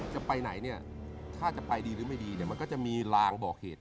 จะไปไหนเนี่ยถ้าจะไปดีหรือไม่ดีเนี่ยมันก็จะมีลางบอกเหตุ